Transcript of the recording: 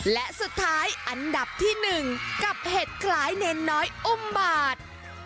และสุดท้ายอันดับที่๑กับเห็ดคล้ายเนรน้อยอุ้มบาท